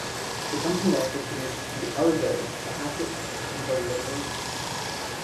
The company also produced the Argo, the Hackett, and the Lorraine.